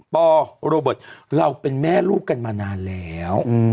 พอโรบร์ตเราเป็นแม่ลูกมานานแล้ว